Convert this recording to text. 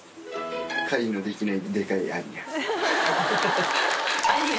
狩りのできないでかいアニヤ。